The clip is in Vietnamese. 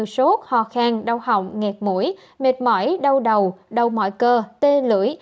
sốt hò khang đau hỏng nghẹt mũi mệt mỏi đau đầu đau mỏi cơ tê lưỡi